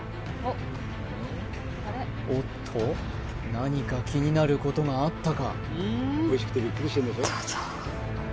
おっと何か気になることがあったか